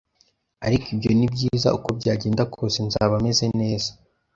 Ariko ibyo nibyiza, uko byagenda kose nzaba meze neza